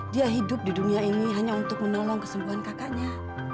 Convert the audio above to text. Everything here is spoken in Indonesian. dia hidup di dunia ini hanya untuk menolong kesembuhan kakaknya